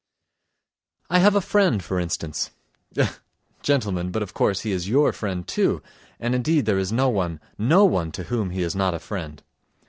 I have a friend for instance ... Ech! gentlemen, but of course he is your friend, too; and indeed there is no one, no one to whom he is not a friend!